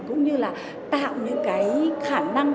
cũng như là tạo những cái khả năng